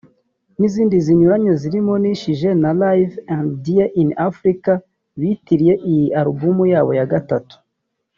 n’izindi zinyuranye zirimo Nishije na Live and Die in Afrika bitiriye iyi album yabo ya gatatu